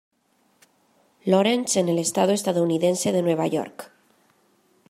Lawrence en el estado estadounidense de Nueva York.